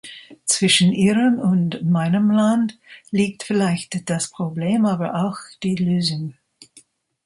Zwischen Ihrem und meinem Land liegt vielleicht das Problem, aber auch die Lösung.